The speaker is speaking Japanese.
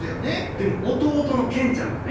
でも弟のケンちゃんがね